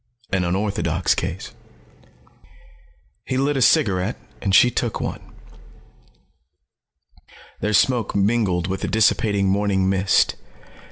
An unorthodox case." He lit a cigarette, and she took one. Their smoke mingled with the dissipating morning mist.